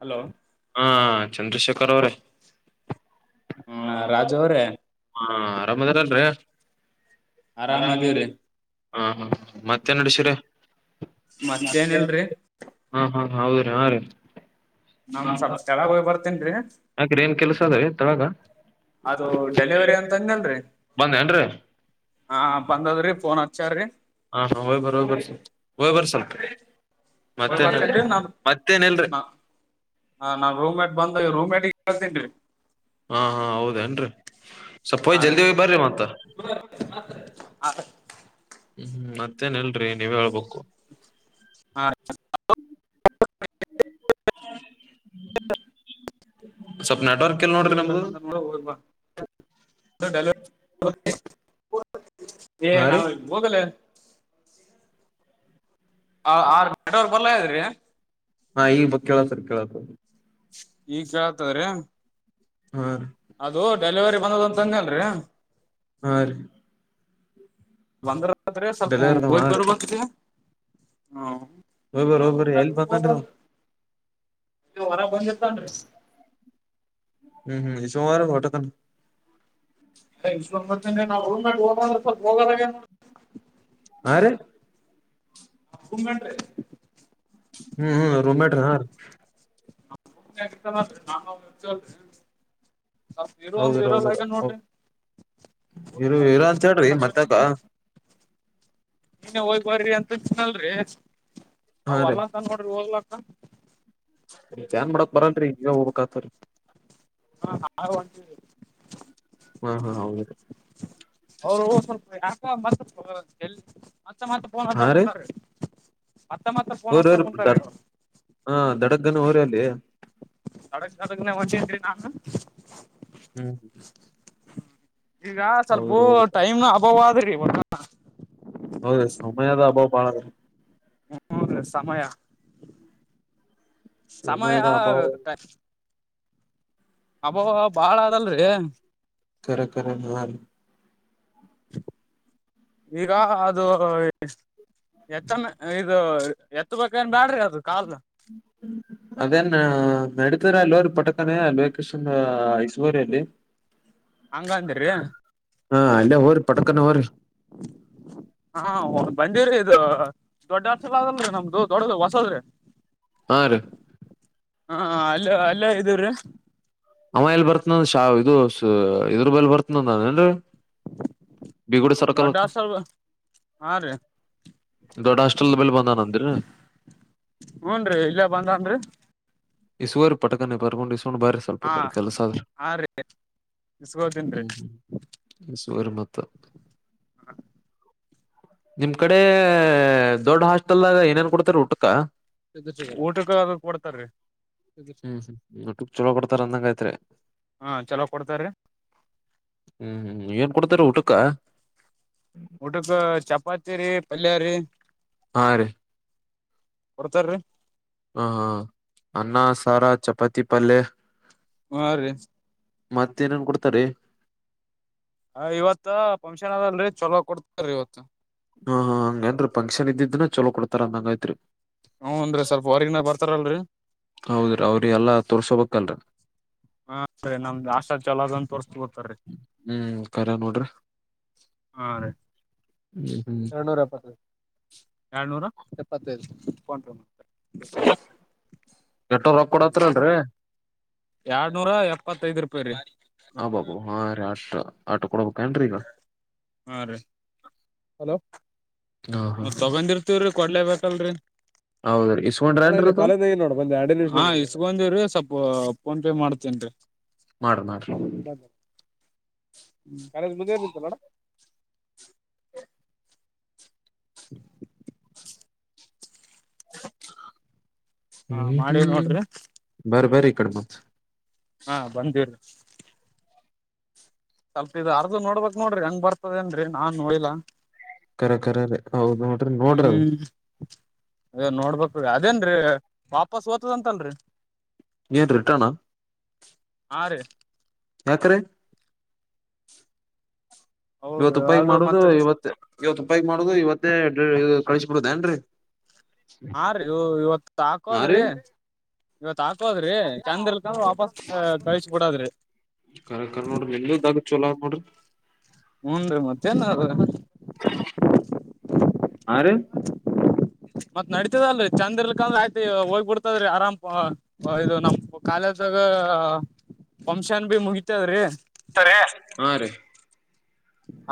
Hello ಹಾ ಚಂದ್ರಶೇಖರ್ ಅವ್ರೇ. ಹ ರಾಜು ಅವ್ರೆ ಹಾ ಆರಾಮದಿರಲ್ರಿ. ಆರಾಮ ಅದಿವ ರೀ. ಹಾ ಹಾ ಮತ್ತೆ ನಡಶೀರಿ ಮತ್ತೇನಿಲ್ರಿ ಹ ಹಾ. ಹೌದ್ರೀ ಹಾ ರೀ ನಮ್ ಸ್ವಲ್ಪ್ ಕೆಳಗ್ ಹೋಗ್ ಬರ್ತೇನ್ರಿ ಯಕ್ರ ಏನ್ ಕೆಲ್ಸ ದ [unintelligible] ತೆಳಗ. ಅದು ಡೆಲಿವರಿ ಅಂತ [unintelligible] ಬಂದ ಏನ್ರಿ. ಹಾ ಬಂದದ್ರಿ ಫೋನ್ ಹಚ್ಯಾರಿ. ಹಾ ಹಾ ಹೊಬ್ ಹೋಬರಿ ಹೋಗ್ ಬರಿ ಸರ್. ಹೋಗ್ ಬರ್ತಿನ್ರಿ ನಾನು ಹಾ ಹಾ ರೂಮೇಕ ಬಂದು ರೂಮೇ [unintelligible] ಹಾ ಹಾ ಹೌದೇನ್ರಿ ಸ್ವಲ್ಪ ಹಾ ಹೋಯ್ ರೀ ಜಲ್ದಿ ಹೋಗಿ ಬರ್ರಿ ಮತ್ತ. ಹಾ ರಿ ಹ್ಮ್ ಮತ್ತೇನ ಇಲ್ರಿ ನೀವೆ ಹೇಳ್ಬೇಕ. ಹಾ ರಿ [unintelligible] ಹ್ಮ [inaudible] ಹ [unintelligible] ಸ್ಪಪ್ ಡೆಲಿವರಿ ಬಾಯ್ ಬಂದ ನೋಡ ಹೋಗ ಬಾ [unintelligible] ಲ್ವಾಡೆ ಏ ಹಾ [unintelligible] ರೀ ನಾವಿಲ್ ಹೋಗಲೇ. [unintelligible] ಆರ್ ನೆಟ್ವರ್ಕ್ ಬರ್ಲಾ ಆಗ್ಯದ್ರಿ. ಹಾ ಈ ಬ ಕೆಳತದ ಕೆೇಳತದ್ರಿ. ಈಗ ಕೆಳತದ್ರಿ. ಹ್ಮ ರೀ ಅದು ಡೆಲಿವರಿ ಬಂದದಂತ ಅನ್ಯಲ್ರಿ. ಹಾ ರಿ ಬಂದದತ್ರಿ ಸ್ವಲ್ಪ ಡೆಲಿವರಿ ಹೋಗ ಹಾ ರೀ ಬರಬೇಕ್ ರಿ ಹ್ಮ. ಹೋಯ್ ಬರ್ ಹ [unintelligible] ಹೋಯ್ ಬರ್ರಿ ರುಮ್ನಾಗ ಎಲ್ ಬಿಟ್ ಬಂದನ್ರಿ ಅವ ಹೋದೆನ [unintelligible] [unintelligible] ಹೊರಗ ಬಂದಿರ್ತನ್ ರಿ. ಹ್ಮ್ ಹ್ಮ್ ಈ ಸುಮರ [unintelligible] ೋಟ ತ್ಣ [unintelligible] ರುಮ್ನಾಗ ಹೋಗ ಅಂದ್ರ ಸ್ಪಲ್ಪ ಹೋಗಲ ಆಗ್ಯಾನೋಡ್ರಿ. ಅ [unintelligible] ಅಪ್ಪು [unintelligible] ಹ್ಮ್ ಹ್ಮ್ ರೋಮೆಟ್ ಹ ನಾ ನಂಗ ಅವ [unintelligible] ಅತ್ ಇರ ಅಂದ್ರ ಹೌದ್ರ ಇರೋಲ್ ಹೌದ್ರ ಹಾಗಗಂಡ ಹೌದ ನೋಡ್ರಿ ಇರು ಹೋಗ್ಬಾರ ಇರ ಅಂತ ಹೋಗಲ್ಲ ಹೇಳ್ರಿ ಮತ್ತಾಗ ನೀನ್ನ ಹೋಗ್ ಬರ್ರಿ ಅಂತ ತಿನಲ್ರರಿ ಹಾ ಅವ್ ಅಲ್ಲಂತ ನೋಡ್ರಿ ಹೋಗ್ಲಕ್ಕ ಹ ಏನ್ ಮಾಡಕ್ ಬರಲ್ರರಿ ನೀವ ಹೋಗಕ್ ಆತರಿ ಹಾ ಆ ಒಂ [unintelligible] ಹಾ ಹಾ ಹೌದು ಅವರು ಸ್ವಲ್ಪ ಯಾಕ ಮತ್ತ ಮತ್ತೆ ಮತ್ತ ಬ ಅಂತ ಹಾ ರೀ ಕುಂಟಾರೆ ಮತ್ತೆ ಮತ್ತ ಪೋನ್ ಹೋರಿ ಹಷ್ಟಾ ಹೋರಿ ಕುಟಾರೆವರು ಹಾ ದಡಗ್ಗನ ಹೋರಿ ಅಲ್ಲಿ ಅಡಕ್ ತಡಗನೆ ಹಚಿ ನ ಹ್ಮ್ ಈಗ ಸ್ವಲ್ಪ ಹೌದ್ರಿ ಹೋಗ್ಬೇಕ ಟೈಮ್ ಅಭಾವ್ ಆದ್ರಿ ಹೌದ ಸಮಯದ ಅಭಾವ ಬಾಳ ಹ್ಮೂ ಸಮಯ ಸಮಯದ ಅಭಾವ ಸಮಯತ್ತೆ ಅಬಾವ ಬಾಳ ಅದಲ್ರಿ ಕರ ಕರ ನಲ್ [unintelligible] ಈಗ ಅದು ಎತ್ತನ ಇದು ಎತ್ತ ಬನ್ ಬ್ಯಾಡ್ರಿ ಅದು ಕಾಲ್ ಅದೇ ನ ನಡ ಇರ ಅಲ್ಲಿರಿ ಪಟಕನೇ ಅಕೇಶನ್ ಇಸುವರಿ ಅಲ್ಲಿ ಹಂಗಂದ್ರಿ ಹಾ ಅಲ್ಲ ಹೋರಿ ಪಟಕನ ಹೋರಿ ಹಾ ಹ ಬಂಡೇರ ಇ ದೊಡ್ಡ ಹಸಲ್ ಆಗಲ್ರರಿ ನಮ್ದು ದೊಡ್ಡ ಹೊಸದ್ರೆ ಹಾ ರೀ ಹಾ ಅಲ್ಲ ಅಲ್ಲ ಇದವ್ರ ಅಮ್ಮ ಎಲ್ಲಿ ಬರ್ತನಂದ ಶಾವ ಇದು ಇದ್ರ ಬಲ್ ಬರ್ತನಂದ ಏನ್ರಿ ಬಡಾ ಹಾಸ್ಟೆಲ್ ಹಾ ರೀ ದೊಡ್ಡ ಹಸ್ಟಲ್ ಬೆಲ್ಬಂದ ನ ಅಂದರ ಹೂನ್ ರೀ ಇಲ್ಲೇ ಬಂದನ್ರಿ ಇಸುವರು ಪಟಕನ್ನೇ ಪರ್ಕೊಂಡು ಇಸಕೊಂಡು ಬೇರೆ ಸ್ವಲ್ಪ ಹಾ ಕಡೆ ಕೆಲಸಾದ್ರೆ ಹಾ ರೀ ಇಸ್ಕೋತೀನ್ರಿ ಹ್ಮ್ ಹ್ಮ್ ಸುರ ಮತ್ತ ಹ್ಮ ನಿಮ್ ಕಡೆ ದೊಡ್ಡ ಹಾಸ್ಟೆಲ್ ಮತ್ತಲಗ ಏನೇನ್ ಕೊಡ್ತಾರ ಊಟಕ ಊಟಕ್ಕ ಅದು ಕೊಡ್ತಾರೀ ಹ್ಮ್ ಹ್ಮ್ ನಟಕ್ ಚಲೋ ಕೊಡ್ತಾರ ಅಂದಂಗಯತ್ರಿ ಹಾ ಚಲೋ ಕೊಡ್ತಾರೀ ಹ್ಮ್ ಹ್ಮ್ ಏನ್ ಕೊಡ್ತಾರ ಊಟಕ್ಕ ಊಟಕ್ ಚಪಾತಿ ರೀ ಪಲ್ಯ ರೀ ಹಾ ರ ಕೊಡ್ತಾರೀ ಹ ಹಾ ಅನ್ನ ಸಾರಾ ಚಪಾತಿ ಪಲ್ಲೆ ಹಾ ರೀ ಮತ್ತೇನನ್ ಕೊಡ್ತಾರೆ ಹ ಇವತ್ ಪಂಕ್ಷನ್ ಅದಲ್ರಿ ಚೊಲೋ ಕೊಡ್ತಾರರಿ ಇವತ್ ಹಾ ಹಾ ಹಂಗೇನ್ ಫಂಕ್ಷನ್ ಇದಿದ್ನ ಚಲೋ ಕೊಡ್ತಾರ ಅಂದ ಹಂಗ ಐತ್ರಿ ಹ್ನ್ ಸ್ವಲ್ಪ ಹೊರ್ಗಿನ ಬರ್ತಾರಲ್ರರಿ ತುರ್ಶುಭಕ್ಕಂಡ [unintelligible] ಹ ಅಂದ್ರೆ ನಮ್ದುಾಷ್ಟ ಚಲೋದ ಅಂತ ತೋರಿಸಸ್ಬು ಹ್ಮ್ ಕರ ನೋಡ್ರಿ ಹಾ ರೀ ಹ್ಮ್ ಹ್ಮ್ ಎರಡ್ನೂರ ಎಪ್ಪತ್ತು ಎಏಳ್ನೂರ ಎಪ್ಪತ್ತೈದು ಪೋಂಡ ಮ ಎಟ್ಟೋಪ ಕೊಡತ್ರರಿಲ್ರರಿ ಎರಡ್ನೂರ ಎಪ್ಪತ್ತೈದ್ ರೂಪಾಯಿ ರೀ ಹ ಬಾಬೂ ಹ ಆ ಆಟ ಕೂಡ ಹಾ ರೀ ಹಲೋ ಹಾ ಹಾ ಮತ್ತ ತಗೊಂಡಿರ್ತೀವ್ರೀ ಕೊಡ್ಲೇ ಬತಲ್ರರಿ ಹೌದ್ರಿ ಇಸ್ಕೊಂಡ್ರ ನ ಅನ್ರಿ ಇಲ್ಲಿ ಅದು ಕಾಲೇದಾಗಿ ನೋಡು ಬಂದೆ ಎರಡು ನಿಮಿಷ ಇಗಂದ ಸ್ವಲ್ ಫೋನ್ ಪೇ ಮಾಡ್ತೇನ್ ರೀ ಮಾಡ್ರಿ ಮಾಡ್ರಿ ಲ್ಲಡ [unintelligible] ಹಾ ಹ್ಮ ಮಾಡಿ ಹ್ಮ್ ನೋಡ್ರಿ ಬರಬರ ಇಕಡ ಮತ್ ಹಾ ಬಂದಿರ ಸ್ವಲ್ಪ ಇ ಅರ್ದು ನೋಡ್ಬಕ್ ನೋಡ್ರಿ ಹೆಂಗ ಬರ್ತದೇನ್ರೀ ನಾನ್ ನೋಡಿಲ್ಲಾ ಕರ ಕರ ರ ಹೌದು ನೋಡ್ರಿ ನೋಡ್ರಿ ಅದು ಹ್ಮ್ ಅದೇ ನೋಡ್ಬೇಕ್ರೀ ಅದೇನ್ರೀ ವಾಪಸ್ ಓತದಂತಲ್ರಿ ನೀ ರಿಟರ್ಣಾ ಆರು ಹತ್ರ ಇವತ್ ಹೌದು ಉಪಾಯಿ ಅದು ಮಾಡುದು ಮತ್ತ ಇವತ್ತ ಇವತ್ತು ಉಪಾಯಗ ಮಾಡುದು ಇವತ್ತೇ ಕಳಿಸ ಬಿಡುದ ಏನ್ರರಿ ಹಾ ರೀ ಇವತ್ ಹಾ ರೀ ಹಾಕೋದ್ರಿ ಇವತ್ ಹಾಕೋದ್ರಿ ಚಂದ ನ ವಾಪಸ್ ಕಳಿಸ ಕೊಡಾದ್ರೆ ಕರ ಕರ ನೋಡ್ರಿ ನಿಮ್ದಾಗ ಚಲೋ ಆತ್ ನೋಡ್ರಿ ಹನ್ ಮತ್ತೆ ನ್ ಆರು ಮತ್ ನಡತದಲ್ರಿ ಚಂದ್ ಇರ್ಲಕಂದ್ರ ಆಯ್ತ ಹೋಗ್ಬ ಬಿಡ್ತದ್ರಿ ಆರಾಮ್ ಇದು ನಮ್ ಕಾಲೇ ದಾಗ ಪಫಂಶನ್ ಭ ಮುಗಿತದ್ರಿ ಹಾ ರೀ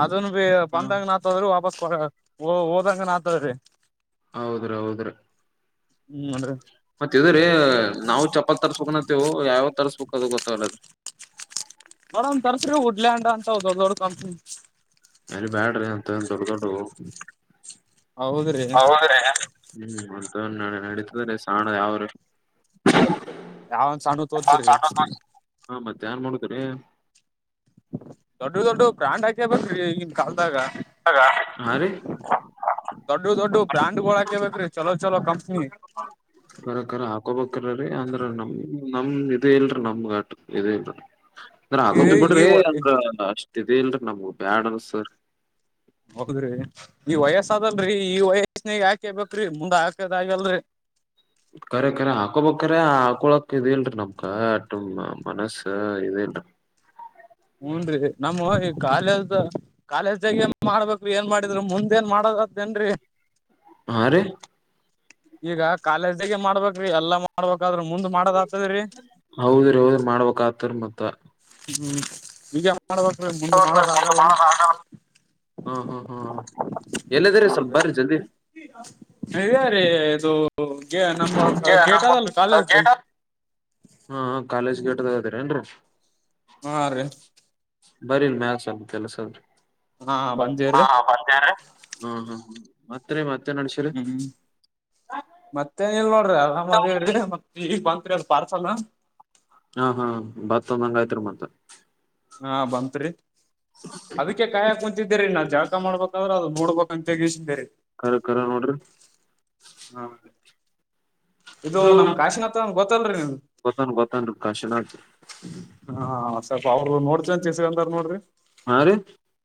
ಅದನ್ ಬಿ ಬಂದಂಗ ನಾತದ್ರಿ ವಾಪಸ್ ಕೊ ಹೋದಂಗ ನಾತದ್ರಿ ಹೌದ್ರ ಹೌದ್ರ ಹ್ಮ್ ನೋಡ್ರಿ ಮತ್ತ ಇದ್ರೀ ನಾವು ಚಪಾತ್ ತರ ಸುಕ್ನತ್ತೇವು ಯಾವ ತರ ಸುಕ್ ಕದು ಗೊತ್ತಾಗಲ್ಲದ್ರೆ ನೋಡ ಒ ತರ್ಸ್ರರಿ ಉಡ್ಲ್ಯಂಡ್ ಅಂತ ದೊಡ್ಡ ದೊಡ್ಡ ಕನ್ ಎಲ್ಲಿ ಬ್ಯಾಡ್ರಿ ಅಂತ ದೊಡ್ಡ ದೊಡ್ಡ ಹೌದ್ರಿ ಹೌದ್ರ ಹ್ಮ್ ನಡತ ಸಾಣ ಅವರು ಯಾವಂದ್ ಸಣ್ಣ ತೋತಿರಿ ಹಾ ಮತ್ತೆ ಏನ್ ಮಾಡೋತರಿ ದೊಡ್ಡ ದೊಡ್ಡ ಪ್ರಾಣಂಡ್ ಹಾಕೇಬೇಕ್ರಿ ಈಗನ್ ಕಾಲಲ್ದಾಗ ಹಾ ರೀ ದೊಡ್ಡ ದೊಡ್ಡ ಬ್ರ್ಯಾಂಡ್ಗಳ ಹಾಕೇಬೇಕ್ರೀ ಚಲೋ ಚಲೋ ಕಂಪ್ನಿ ಕರಕರ ಹಾಕೋಬೇಕರೀ ಅಂದ್ರ ನಮ ನಮ ಇ ಇಲ್ರೀ ನಮ್ಗ ಆಟ ಇ ಇಲ್ರಿ ಅಂದ್ರ ಆಗ ಈ ಬಿಡ್ರಿ ಈ ಅಂದ್ರ ಅಷ್ಟ ಇಲ್ರಿ ನಮಗ ಬ್ಯಾಡ ಅನ್ಸ್ತರಿ ಹೌದ್ರಿ ಈ ವಯಸ್ ಅದಲ್ರರಿ ಈ ವಯಸ್ನಗ್ ಹಾಕೇ ಬ್ರಿ ಮುಂದ ಹಾಕದ ಆಗಲ್ರರಿ [inaudible] ಕಖರ ಕರೆ ಹಾಕೊಬ್ರ ಹಾಕೊಳಕ್ ಇದ ಇಲ್ರರಿ ನಮಕ ಮನಸ್ಸ ಇದ ಇಲ್ರಿ ಹೂನ್ ನಮ್ಮ ಈ ಕಾಲೇಜ ಕಾಲೇಜ್ಗ ಮಾಡ್ಬೇಕ ಏನ್ ಮಾಡಿದ್ರು ಮುಂದೇಏನ್ ಮಾಡೋದದೇಏನ್ರಿ ಹಾ ರೀ ಈಗ ಕಾಲೇಜ್ದಾಗ ಮಾಡ್ಬ್ರಿ ಎಲ್ಲಾ ಮಾಡ್ಬೇಕಾದ್ರರು ಮುಂದ್ ಮಾಡದ ಆತ ಹೌದ್ರಿ ಹೌದ್ರ ಮಾಡ್ಬೇಕಕ್ ಆತರಿ ಮತ್ತ ಹ್ಮ್ ಈಗ ಮಾಡಬೇಕ್ರೀ ಮುದ ಮಾಡಕ್ ಆಗಲ್ಲ ಹ್ಮ್ ಹ್ಮ್ ಹ್ಮ್ ಎಲ್ಲಿದ್ದಿರಿೀ ಹ ಸ್ವಲ್ಪ ಬರ್ರ ಜಲ್ದಿ ಇದೇ ರೀ ಇದು ನಮ್ಮ ಗೇಟ್ ಅದಲ್ಲ ಕಾಲೇಜ್ದು ರ ಏನ್ರ ಹಾ ರೀ ಬರಿೀ ಮ್ಯಗುತ್ತಲ್ಲ ಸ್ರ ಹಾ ಹ್ಮ ಬಂದೇವ್ರಿ ಹ್ಮ ಹ್ಮ ಮತ್ರ ಮತ್ತ ಎನ ಅನುಷರು ಮೇನ್ ಇಲ್ ನೋಡ್ರಿ ಆರಾಮ್ ಅದೇ್ರೀ ಮತ್ತತ್ ಈಗ ಬಂತತ್ರಿ ಅ ಪಾರ್ಸಲ್ ಹಾ ಹಾ ಭತ್ೊಂದಂಗ ಆಯ್ತ್ರಿ ಮತ್ತ ಹಾ ಬತ್ರಿ ಅದಕ್ಕೆ ಕಾಯಾಕ್ ಕುಂತಿದ್ದಿರಿ ನಾ ಜಾಳಕ ಮಾಡ್ಬೇಕಾದ್ರೆ ಅದ ನೋಡ್ಬೇಕ ಅಂತ ತಗಸ ಬೇರೆ ಕರ ಕರ ಡರ್ ಇದು ನಮ್ ಕಾಶಿನಾಥ ಅಂತ ಗೊತ್ತಲ್ರಿ ನಿಮ್ ಗತನ್ ಗತನ ರೂಕಾಸೆ ನಕಿ ಹಾ ಹ ಓ ನೋಡ್ತನ್ ಚಸಗಂದಾರ್ ನೋಡ್ರಿ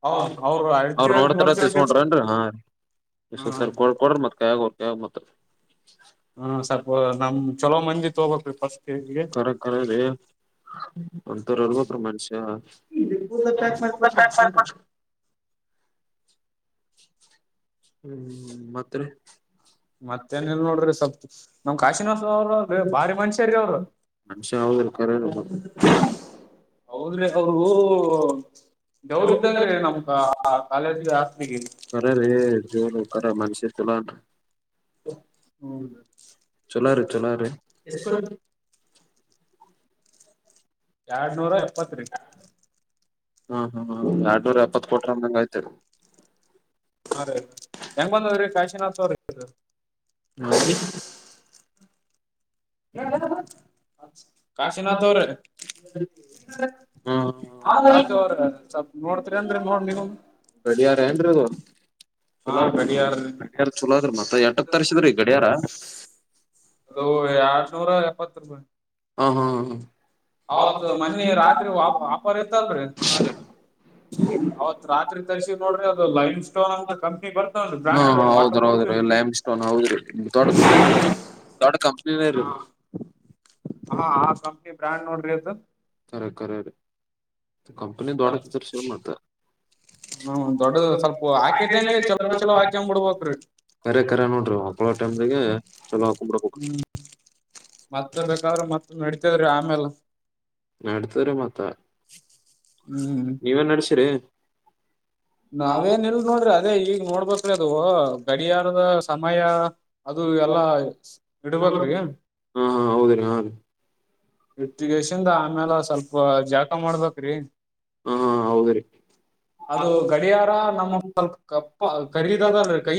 ಅವ್ರ ಅವ್ರು ಅವರು ಅಳ್ತೀವಿ ಅಂತ ನೋಡ್ತೀವಿ ಅಂತ ಇಸ್ ನೋಡ್ತಾರ್ಕೋೊಂಡ್ರನ್ರಿ ಹ ಹಾ ರೀ ಕೊ ಕೊಡ್ರಿ ಮತ್ ಕಾಯ ಆಗೋರು ಹ ಮತ್ತ ಹಾ ಸ್ವಲ್ಪ ನಮ ಚಲೋ ಮಂಜಿತ್ ಹೋಗಕ್ೀ ಫಸ್ಟ್ಿಗೆ ಒಂಂತಥರ ಅಲ್ಗ ಮನ್ಷ್ಯ [inaudible] ಕೂದ್ಲ ಪ್ಯಾಕ್ ಮಾಡಿ ಕೊಟ್ರ ಸೊಂಟ ಹ್ಮ್ ಮತ್ರ ಮತ್ತೇನಲ್ ನೋಡ್ರಿ ಸವಲ್ ನಮ್ ಕಾಶಿನಾಸ ಅವರು ಬಾರಿ ಮನುಷ್ಯರಿಗೆ ಅವರು ಮನುಷ್ಯಾವದರ್ಕ್ಕಾರೆ ಹೌದ್ಬೇಕ ಅವರುಗ ಗವರ ಇದ್ದಂಗ್ರೀ ನಮ ಕ ಕಾಲೇಜ ಆಸ್ಗೆ ಹ ಜಕರ ಮನುಷಿ ತುಲನ್ ಹ್ಮ ಚಲೋ ರೀ ಚಲೋ ರೀ ಎಷ್ಟಕಿ ಎರಡ್ನೂರ ಎಪ್ಪತ್ರಿ ಹ್ಮ್ ಹ್ಮ್್ಮ ಎರಡ್ನೂರ ಎಪ್ಪತ್ ಕೋಟರ ಅಂದಂಗಯತೆವ ಅ ಹೆಂಗ ಬಂದ್ರೀ ಕಾಶಿನಾಥ್ ಅವ್ರ ನಿ ಎಲ್ಲ ಕಾಶಿನಾಥ್ ಅವ್ರೇ ಹಾ ಅ ಅವ್ರ ಸ್ವಲ್ ನೋಡ್ತರಿ ಅಂದ್ರೆ ನೋಡ್ ನೀವು ರಡಾರ ಏನ್ರೀ ಹಾ ಚಲ ಗಡಿಯಾರ ಗಡ್ಯಾರ ಚಲ ಆದ್ರಿ ಮತ್ತ ಎಂಟಕ್ ತರ್ಸಿದ್ರಿ ಗಡಿಯಾರ ಅದು ಎಡ್ನೂರ ಎಪ್ಪತ್ತು ರೂಪಾಯಿ ಹಾ ಹಾ ಹ ಹ ಅವೌತ್ ಮನ್ನಿ ರಾತ್ರಿ ವಾ ವಪರ್ ಇತ್ತಲ್ರಿ ಅವತ್ ರಾತ್ರಿ ತರಿಸಿ ನೋಡ್ರಿ ಅದು ಲೈಮ್ ಸ್ಟೋನ್ ಅಂತ ಕಂಪ್ನಿ ಬರ್ತಾವ ಬ್ರ್ಯಾಂಡ್ ವಾಟರ್ ಪ್ರೂಫ್ ಇ ಟೈಮ್ ಸ್ಟೋನ್ ಹೌದು ದೊಡ್ ದೊಡ್ಡ ಕಂಪ್ನ ಇದು ಹಾ ಹಾ ಆ ಕಂಪ್ನಿ ಬ್ರಾಂಡ್ ನೋಡ್ರಿದು ಅಖರಖರ ರ ಕಂಪನಿ ದಡ ಶೇಮ ಮತ ಹ್ಮ್ ದೊಡ್ಡದು ಸ್ವಲ್ಪ ಹ್ಮೊ ಹಾಕಿ ಟೈಮ್ಗೆ ಚಲೋ ಚಲೋ ಹಾಕೊಂಡ್ ಬಿಡ್ಬೇಕ್ರಿ ಕರೆ ಕರೆ ನೋಡ್ರಿ ಮಕ್ಕಳ ಟೈಮ್್ದಾಗ ಚಲೋ ಬಿಡ್ಬೇಕು ಹ್ಮ್ ಮತ್ತೆ ಬೇಕಾದ್ರರು ಮತ್ತ ನಡತದ್ರಿ ಆಮೇಲ್ ನಡ್ತವ್ರ ಮತ್ತ ಹ್ಮ್ ನೀವೇನ್ ನಡ್ಸಿರಿ ನಾವೇನ್ ಇಲ್ ನೋಡ್ರಿ ಅದೇ ಈಗ ನೋಡ್ಬೇಕ್ರಿ ಅದು ಗಡಿಯಾರದ ಸಮಯ ಅದು ಎಲ್ಲಾ ಇಡ್ಬೇಕ್ರಿ ಹಾ ಹಾ ಹೌದ್ರಿ ಹಾ ರಿ ಇಟ್ಟಗೇಶಿಂದ ಆಮ್ಯಾಲ ಸ್ವಲ್ಪ ಜಳಕ ಮಾಡ್ಬೇಕ್ರಿ ಹಾ ಹೌದ್ರಿ ಅದು ಗಡಿಯಾರ ನಮ್ದ ಸ್ವಲ್ಪ ಕಪ್ಪ ಖರೀದ್ ಅದಲ್ರಿ ಕೈ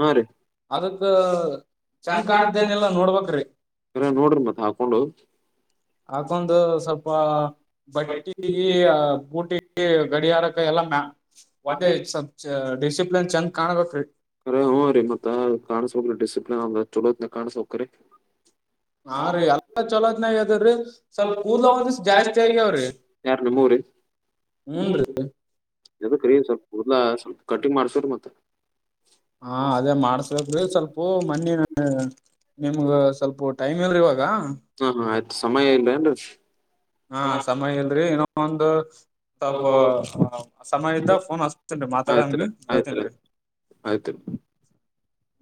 ಹಾ ರೀ ಅದಕ್ಕ ಚಂದ ಕಾಣತದೆನಿಲ್ಲ ನೋಡ್ಬಕ್ ರೀ ಕರೆ ನೋಡ್ರಿ ಮತ್ ಹಾಕೊಂಡು ಆಕಂದು ಸ್ವಲ್ಪ ಬಟ್ಟಿಗಿ ಬೂಟಿಗಿ ಗಡಿಯಾರಕ್ಕೆ ಎಲ್ಲ ಮ ಒಂದೇ ಡಿಸಿಪ್ಲಿನ್ ಚೆಂದ್ ಕಾಣಬೇಕ್ರೀ ಕರೆ ಹ್ಮ್ ರೀ ಮತ್ತೆ ಕಾಣಿಸಬೇಕ್ರೀ ಡಿಸಿಪ್ಲಿನ್ ಚಲೋತ್ ಕಾಣಸಬೇಕ್ರೀ ಹಾ ರೀ ಎಲ್ಲ ಚಲೋತ್ನಾಗ ಅದ್ರೀ ರೀ ಸ್ವಲ್ಪ ಕೂದಲ ಒಂದಿಷ ಜಾಸ್ತಿ ಆಗ್ಯಾವ್ರಿ ಹ್ಮ್ ಎದಕ್ರಿ ಸ್ವಲ್ಪ ಕುದಲಾ ಸ್ವಲ್ಪ ಕಟಿಂಗ್ ಮಾಡ್ಸಗೊರಿ ಮತ್ತ ಹಾ ಅದೇ ಮಾಡಸ್ಬೇಕ್ರಿ ಸ್ವಲ್ಪೂ ಮನ್ನಿ ನಿಮ್ಗ ಸ್ವಲ್ಪೊ ಟೈಮ್ ಇಲ್ರಿ ಇವಾಗ ಹಾ ಹಾ ಆಯ್ತ್ ಸಮಯ ಇಲ್ಲೆನ ರೀ ಹಾ ಸಮಯ ಇಲ್ರಿ ಇನ್ನಾ ಒಂದ ಸ್ವಲ್ಪ ಸಮಯ ಇದ್ದಾಖ ಫೋನ್ ಹಸ್ತನ್ರಿ ಮಾತಾಮ್ಮ ಹೇಳ್ತನ್ರಿ ಆಯ್ತ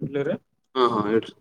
ಇಡ್ಲಿರಿ ಹಾ ಹಾ ಇಡ್ರಿ